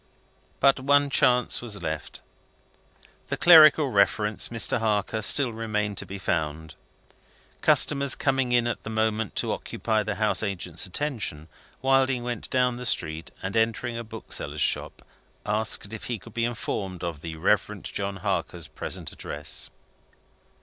But one chance was left. The clerical reference, Mr. Harker, still remained to be found. Customers coming in at the moment to occupy the house agent's attention, Wilding went down the street, and entering a bookseller's shop, asked if he could be informed of the Reverend John Harker's present address.